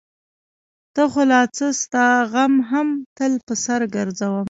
ته خو لا څه؛ ستا غم هم تل په سر ګرځوم.